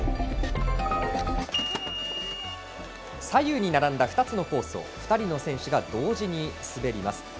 左右に並んだ２つのコースを２人の選手が同時に滑ります。